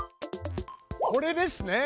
これですね！